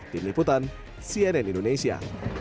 tim liputan cnn indonesia